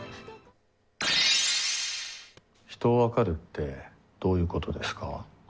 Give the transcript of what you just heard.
人を分かるってどういうことですか？